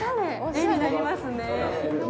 絵になりますね。